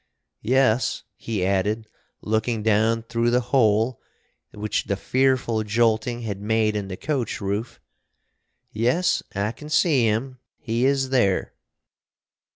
"Yes," he added, looking down through the hole which the fearful jolting had made in the coach roof, "Yes, I can see him! He is there!"